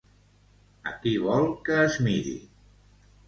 A qui vol que es miri?